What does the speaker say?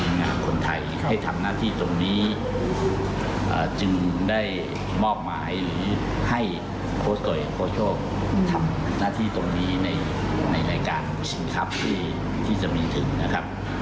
งานคนไทยให้ทำหน้าที่ตรงนี้จึงได้มอบหมายหรือให้โค้ชโตยโค้ชโชคทำหน้าที่ตรงนี้ในรายการชิงทรัพย์ที่จะมีถึงนะครับ